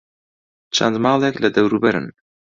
چەند ماڵێک لە دەوروبەرن.